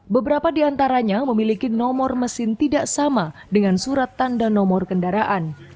beberapa di antaranya memiliki nomor mesin tidak sama dengan surat tanda nomor kendaraan